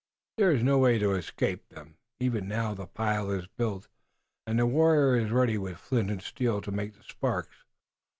"There is no way to escape them. Even now the pile is built, and the warrior is ready with flint and steel to make the sparks."